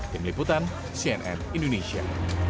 tim liputan cnn indonesia